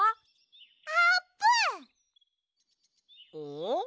ん？